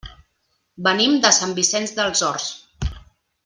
Venim de Sant Vicenç dels Horts.